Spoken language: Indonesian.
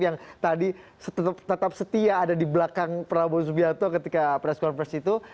yang tadi tetap setia ada di belakang prabowo subianto ketika press conference itu